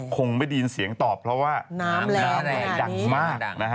คงไม่ได้ยินเสียงตอบเพราะว่าน้ำแหล่อย่างมาก